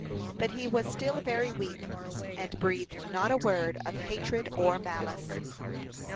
But he was still very weak, and breathed not a word of hatred or malice.